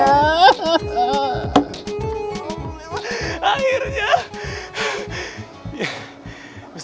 emakkan kurma nyelip di kuku